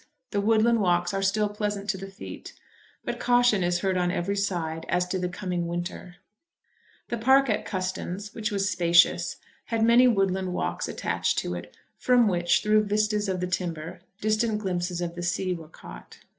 The woodland walks are still pleasant to the feet, but caution is heard on every side as to the coming winter. The park at Custins, which was spacious, had many woodland walks attached to it, from which, through vistas of the timber, distant glimpses of the sea were caught.